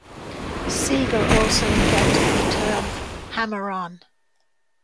Seeger also invented the term "hammer-on".